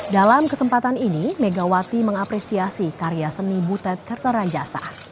dalam kesempatan ini megawati mengapresiasi karya seni butet kertaran jasa